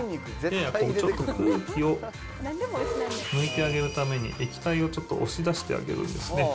ちょっと空気を抜いてあげるために、液体をちょっと押し出してあげるんですね。